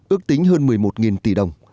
ước tính hơn một mươi một tỷ đồng